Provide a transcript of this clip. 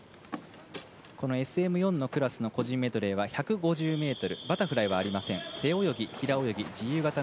このＳＭ４のクラスの個人メドレーは１５０ｍバタフライはありません。